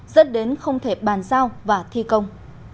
dẫn đến không thể bàn giao và thi công